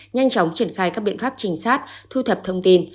nhanh chóng triển khai các biện pháp trình sát thu thập thông tin